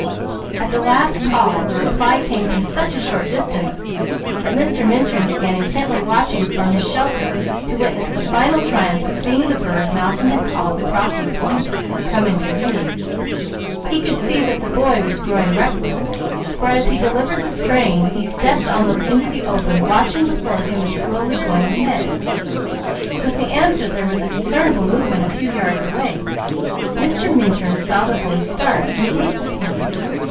At the last call the reply came from such a short distance that Mr. Minturn began intently watching from his shelter to witness the final triumph of seeing the bird Malcolm had called across the swamp, come into view. He could see that the boy was growing reckless, for as he delivered the strain, he stepped almost into the open, watching before him and slowly going ahead. With the answer, there was a discernible movement a few yards away. Mr. Minturn saw the boy start, and gazed at him.